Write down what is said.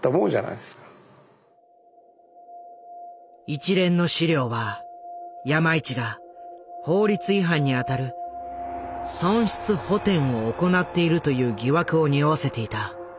一連の資料は山一が法律違反にあたる「損失補てん」を行っているという疑惑をにおわせていた。